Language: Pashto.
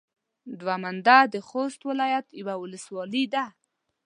دوه منده د خوست ولايت يوه ولسوالي ده.